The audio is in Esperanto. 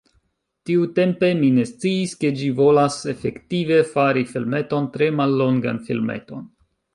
Tiutempe, mi ne sciis ke ĝi volas efektive, fari filmeton, tre mallongan filmeton.